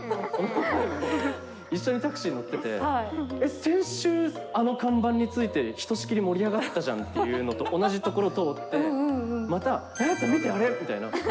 一緒にタクシー乗ってて、先週、あの看板について、ひとしきり盛り上がったじゃんという所と、同じ所通って、またＡｙａｓｅさん見て、あれみたいな。